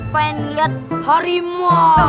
pengen lihat harimau